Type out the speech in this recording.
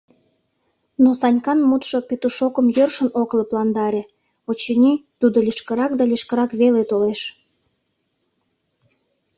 Но Санькан мутшо Петушокым йӧршын ок лыпландаре, очыни, тудо лишкырак да лишкырак веле толеш.